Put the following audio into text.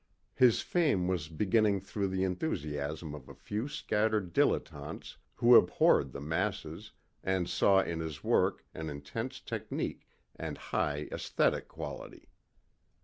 His fame was beginning through the enthusiasm of a few scattered dilletantes who abhorred the masses and saw in his work an intense technique and high asthetic quality.